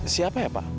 siapa ya pak